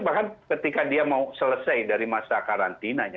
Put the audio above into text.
bahkan ketika dia mau selesai dari masa karantinanya